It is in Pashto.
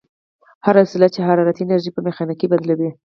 هره وسیله چې حرارتي انرژي په میخانیکي بدلوي.